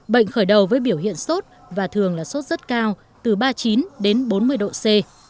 bệnh khởi đầu với biểu hiện sốt và thường là sốt rất cao từ ba mươi chín đến bốn mươi độ c